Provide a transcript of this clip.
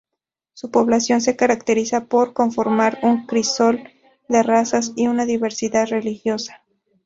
Su población se caracteriza por conformar un crisol de razas y una diversidad religiosa.